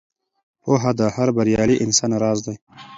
پوهه د هر بریالي انسان راز دی.